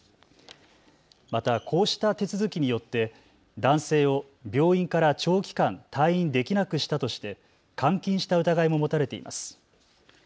またこうした手続きによって男性を病院から長期間、退院できなくしたとして監禁した疑いも持たれています。